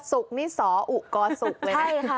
ศุกร์นี่สออุ๊กกอศุกร์ไว้ไง